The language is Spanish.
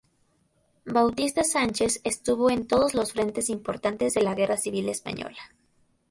Bautista Sánchez estuvo en todos los frentes importantes de la Guerra Civil Española.